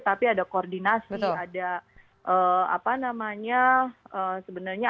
tapi ada koordinasi